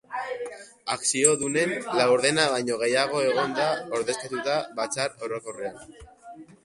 Akziodunen laurdena baino gehiago egon da ordezkatuta batzar orokorrean.